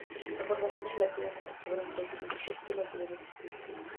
La formación es relativamente pobre en fósiles, excepto en los niveles superiores.